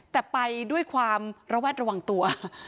แต่ไปด้วยความระแวดระวังตัว